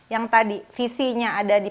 yang tadi visinya ada di